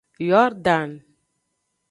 Yordan.